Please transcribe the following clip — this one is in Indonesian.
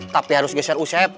tapi harus geser usap